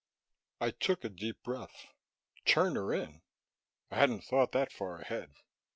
I took a deep breath. Turn her in? I hadn't thought that far ahead.